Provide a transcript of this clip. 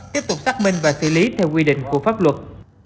tiếp tục xác minh và xử lý theo quy định của pháp luật